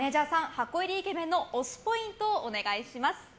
箱入りイケメンの推しポイントをお願いします。